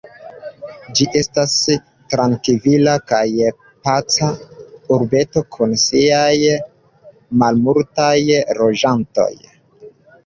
Ĝi estas trankvila kaj paca urbeto kun siaj malmultaj loĝantoj.